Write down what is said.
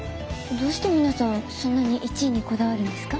どうして皆さんそんなに１位にこだわるんですか？